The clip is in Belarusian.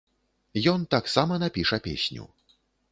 Ён таксама напіша песню.